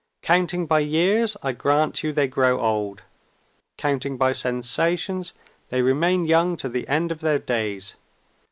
Counting by years, I grant you they grow old. Counting by sensations, they remain young to the end of their days.